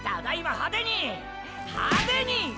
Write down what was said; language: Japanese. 派手に！！